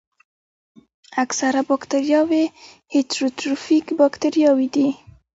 اکثره باکتریاوې هیټروټروفیک باکتریاوې دي.